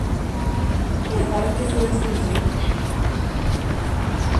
Ayɣeṛ akka tura tugi.